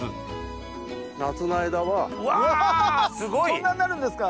こんなんなるんですか。